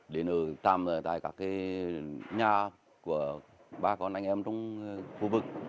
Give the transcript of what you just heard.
đến ở các nhà của ba con anh em trong khu vực